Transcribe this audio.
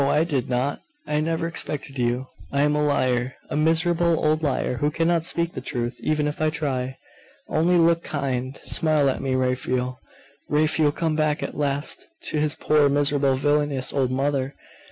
I did not! I never expected you! I am a liar, a miserable old liar, who cannot speak the truth, even if I try! Only look kind! Smile at me, Raphael! Raphael come back at last to his poor, miserable, villainous old mother!